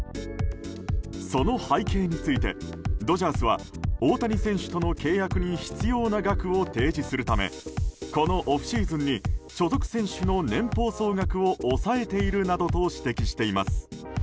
その背景についてドジャースは大谷選手との契約のために必要な額を提示するためこのオフシーズンに所属選手の年俸総額を抑えているなどと指摘しています。